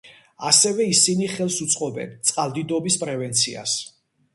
ასევე ისინი ხელს უწყობენ წყალდიდობის პრევენციას.